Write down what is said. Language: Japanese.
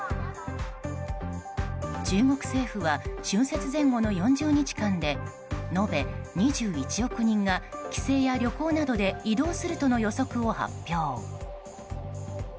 中国政府は春節前後の４０日間で延べ２１億人が帰省や旅行などで移動するとの予測を発表。